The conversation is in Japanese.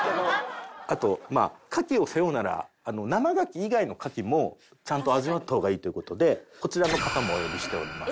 あとまあ牡蠣を背負うなら生牡蠣以外の牡蠣もちゃんと味わった方がいいという事でこちらの方もお呼びしております。